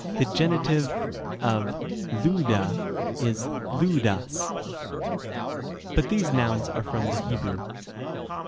the genitive of Λύδδα is Λύδδας ; but these nouns are from the Hebrew.